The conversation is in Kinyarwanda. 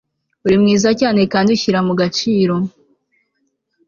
uri mwiza cyane kandi ushyira mu gaciro